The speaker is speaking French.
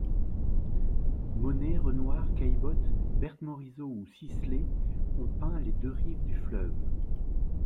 Monet, Renoir, Caillebotte, Berthe Morisot ou Sisley ont peint les deux rives du fleuve.